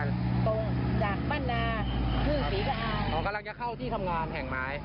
ตรงจากบ้านนาทุ่งศรีสะอาดอ๋อกำลังจะเข้าที่ทำงานแห่งไม้